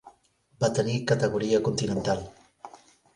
Va tenir categoria Continental.